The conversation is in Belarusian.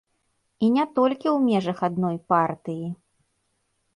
І не толькі ў межах адной партыі.